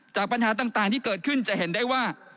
ปัญหาต่างที่เกิดขึ้นจะเห็นได้ว่า